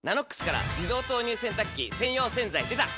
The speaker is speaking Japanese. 「ＮＡＮＯＸ」から自動投入洗濯機専用洗剤でた！